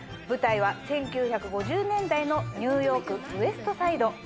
舞台は１９５０年代のニューヨークウエスト・サイド。